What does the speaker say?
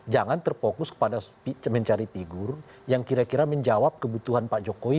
jangan terfokus kepada mencari figur yang kira kira menjawab kebutuhan pak jokowi